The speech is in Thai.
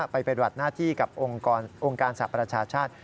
ปฏิบัติหน้าที่กับองค์การสหประชาชาติ